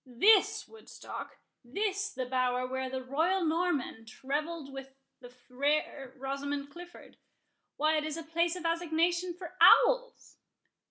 —This Woodstock!—this the bower where the royal Norman revelled with the fair Rosamond Clifford!—Why, it is a place of assignation for owls."